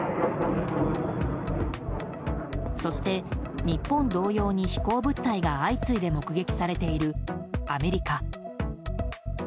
そして、日本同様に飛行物体が相次いで目撃されているアメリカ。